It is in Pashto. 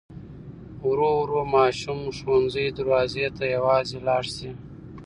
ورو ورو ماشوم د ښوونځي دروازې ته یوازې لاړ شي.